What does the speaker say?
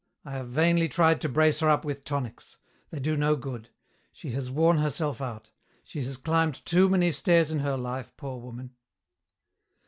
I have vainly tried to brace her up with tonics. They do no good. She has worn herself out. She has climbed too many stairs in her life, poor woman!"